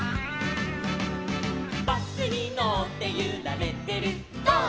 「バスにのってゆられてるゴー！